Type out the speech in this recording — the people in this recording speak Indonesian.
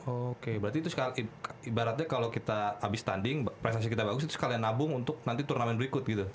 oke berarti itu sekarang ibaratnya kalau kita habis tanding prestasi kita bagus itu sekalian nabung untuk nanti turnamen berikut gitu